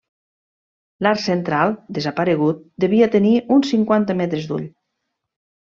L'arc central, desaparegut, devia tenir uns cinquanta metres d'ull.